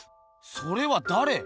それはだれ？